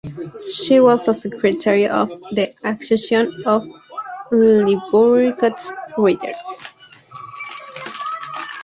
She was a secretary of the Association of Ivory Coast Writers.